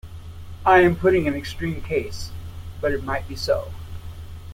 I am putting an extreme case, but it might be so.